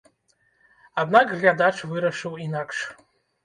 Аднак глядач вырашыў інакш.